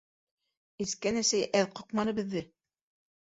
Эскән әсәй әҙ ҡаҡманы беҙҙе.